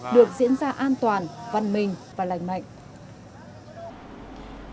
được diễn ra an toàn văn minh và lành mạnh